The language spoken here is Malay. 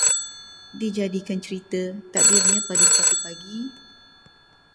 Dijadikan cerita, takdirnya pada suatu pagi